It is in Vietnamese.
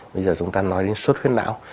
bây giờ chúng ta nói đến xuất huyết não